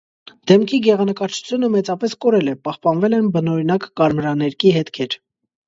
Դեմքի գեղանկարչությունը մեծապես կորել է, պահպանվել են բնօրինակ կարմրաներկի հետքեր։